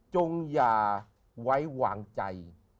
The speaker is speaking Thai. จงอย่าไว้วางใจ